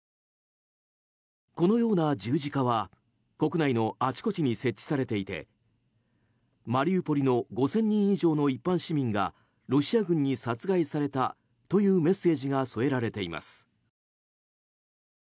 このような十字架は国内のあちこちに設置されていてマリウポリの５０００人以上の一般市民がロシア軍に殺害されたというメッセージが添えられています。